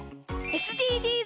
ＳＤＧｓ